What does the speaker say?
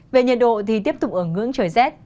về nhiệt độ thì tiếp tục ở ngưỡng trời rét